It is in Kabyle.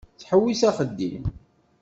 Tettḥewwis axeddim.